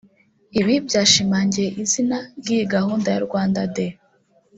Ibi byashimangiye izina ry’iyi gahunda ya Rwanda Day